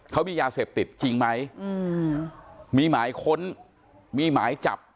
เขามียาเสพติดจริงไหมอืมมีหมายค้นมีหมายจับ